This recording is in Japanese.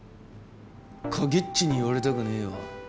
影っちに言われたくねえわ！